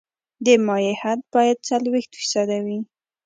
د مایع حد باید څلوېښت فیصده وي